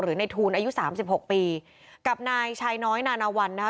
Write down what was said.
ในทูลอายุสามสิบหกปีกับนายชายน้อยนานาวันนะคะ